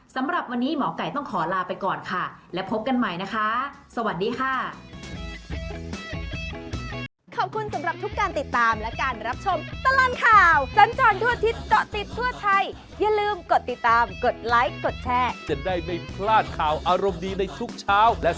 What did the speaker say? สำหรับวันนี้หมอไก่ต้องขอลาไปก่อนค่ะและพบกันใหม่นะคะสวัสดีค่ะ